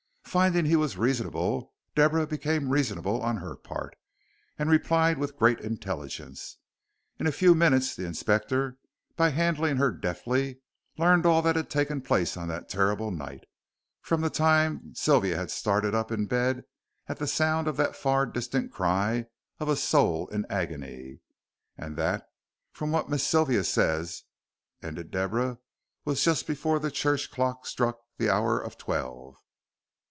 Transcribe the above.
Finding he was reasonable, Deborah became reasonable on her part, and replied with great intelligence. In a few minutes the Inspector, by handling her deftly, learned all that had taken place on that terrible night, from the time Sylvia had started up in bed at the sound of that far distant cry of a soul in agony. "And that, from what Miss Sylvia says," ended Deborah, "was just before the church clock struck the hour of twelve."